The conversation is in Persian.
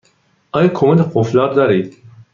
آیا کمد قفل دار دارید؟